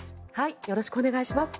よろしくお願いします。